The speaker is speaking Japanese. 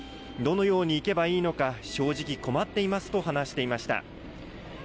どのように行けばいいのか、正直、困っていますと話していました。